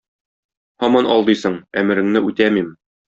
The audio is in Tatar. һаман алдыйсың, әмереңне үтәмим.